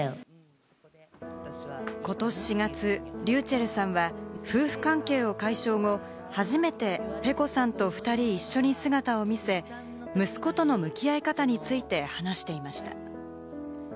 ことし４月、ｒｙｕｃｈｅｌｌさんは夫婦関係を解消後、初めてｐｅｃｏさんと２人一緒に姿を見せ、息子との向き合い方について話していました。